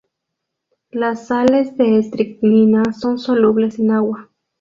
Las sales de estricnina son solubles en agua.